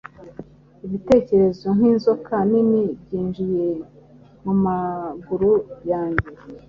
ibitekerezo nkinzoka nini Byinjiye mumaguru yanjye,